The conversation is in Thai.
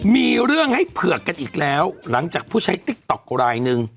มีเรื่องให้เผือกกันอีกแล้วหลังจากผู้ใช้ติ๊กต๊อกรายหนึ่ง